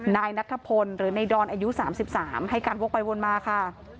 นายนัทพลหรือในดอนอายุ๓๓ให้การวกไปวนมาค่ะ